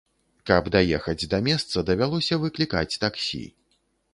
Каб даехаць да месца, давялося выклікаць таксі.